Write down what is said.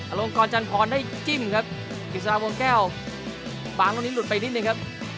อารองค์กรจันทรจิ้มครับอีกสามวงแก้วบางตรงนี้หลุดไปนิดหนึ่งครับ